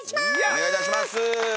お願いいたします。